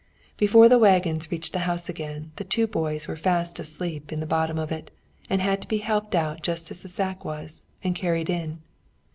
Before the waggon reached the house again, the two boys were fast asleep in the bottom of it, and had to be helped out just as the sack was, and carried in.